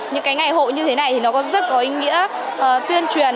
những cái ngày hội như thế này thì nó có rất có ý nghĩa tuyên truyền